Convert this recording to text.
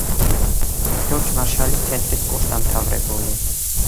ჯორჯ მარშალის ცენტრის კურსდამთავრებული.